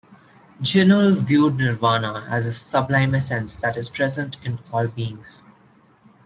Jinul viewed Nirvana as a sublime essence that is present in all beings.